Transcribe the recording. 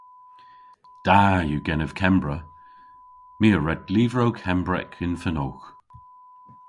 Da yw genev Kembra. My a red lyvrow Kembrek yn fenowgh.